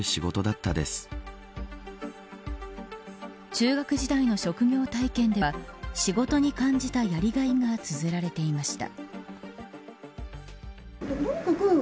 中学時代の職業体験では仕事に感じたやりがいがつづられていました。